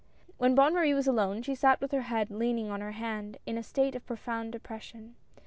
W HEN Bonne Marie was alone she sat with her head leaning on her hand in a state of profound depression.